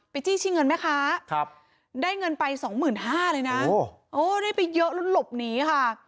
ไปจี้ชี้เงินมั้ยคะได้เงินไปสองหมื่นห้าเลยนะโอ้ได้ไปเยอะรุ่นหลบหนีค่ะ